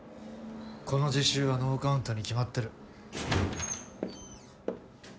この実習はノーカウントに決まってる。